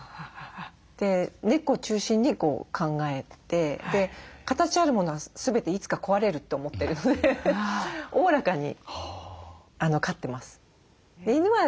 猫を中心に考えて形あるものは全ていつか壊れるって思ってるのでおおらかに飼ってます。